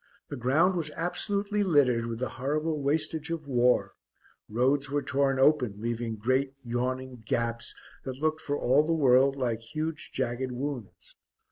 The ground was absolutely littered with the horrible wastage of war; roads were torn open, leaving great yawning gaps that looked for all the world like huge jagged wounds.